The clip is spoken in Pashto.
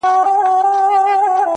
همېشه به بېرېدى له جنرالانو٫